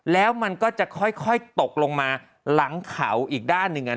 แล้วมันก็จะค่อยตกลงมาหลังเขาอีกด้านหนึ่ง